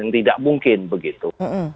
tidak mungkin begitu